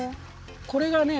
これがね